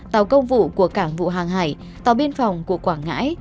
tàu công vụ của cảng vụ hàng hải tàu biên phòng của quảng ngãi